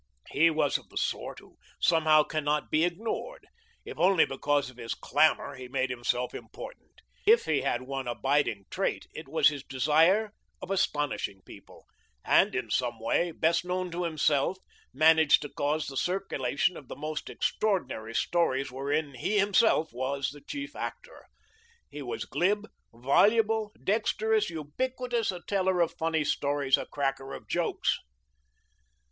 He was of the sort who somehow cannot be ignored. If only because of his clamour he made himself important. If he had one abiding trait, it was his desire of astonishing people, and in some way, best known to himself, managed to cause the circulation of the most extraordinary stories wherein he, himself, was the chief actor. He was glib, voluble, dexterous, ubiquitous, a teller of funny stories, a cracker of jokes.